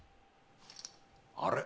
あれ？